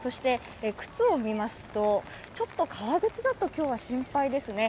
靴を見ますと、ちょっと革靴だと今日は心配ですね。